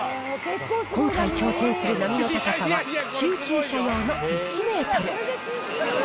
今回挑戦する波の高さは、中級者用の１メートル。